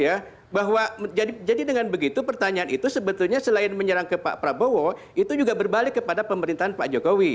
ya bahwa jadi dengan begitu pertanyaan itu sebetulnya selain menyerang ke pak prabowo itu juga berbalik kepada pemerintahan pak jokowi